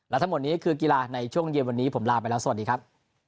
และทั้งหมดนี้คือกีฬาในช่วงเย็นวันนี้ผมลาไปแล้วสวัสดีครับ